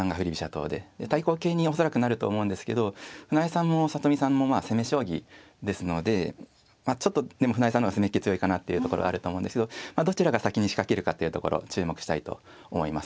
党で対抗型に恐らくなると思うんですけど船江さんも里見さんも攻め将棋ですのでちょっとでも船江さんの方が攻めっ気強いかなっていうところはあると思うんですけどどちらが先に仕掛けるかっていうところ注目したいと思います。